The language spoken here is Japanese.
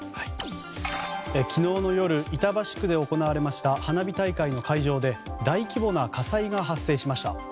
昨日夜、板橋区で行われました花火大会の会場で大規模な火災が発生しました。